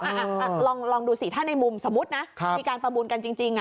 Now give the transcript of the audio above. อ่ะลองดูสิถ้าในมุมสมมุตินะมีการประมูลกันจริง